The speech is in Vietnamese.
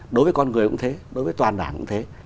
đối với con người cũng thế đối với toàn đảng cũng thế